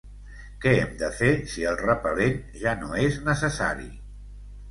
Què hem de fer si el repel·lent ja no és necessari?